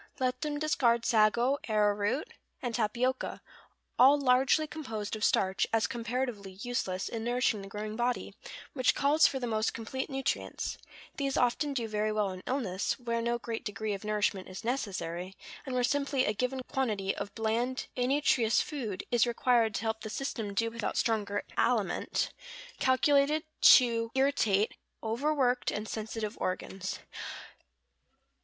Let them discard sago, arrowroot, and tapioca, all largely composed of starch, as comparatively useless in nourishing the growing body, which calls for the most complete nutrients; these often do very well in illness, where no great degree of nourishment is necessary, and where simply a given quantity of bland, innutritious food is required to help the system do without stronger aliment, calculated to irritate overworked and sensitive organs.